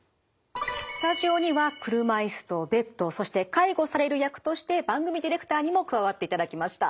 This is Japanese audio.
スタジオには車いすとベッドそして介護される役として番組ディレクターにも加わっていただきました。